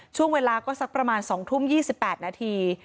ช่วงเวลาก็สักประมาณ๒ทุ่ม๒๘นาที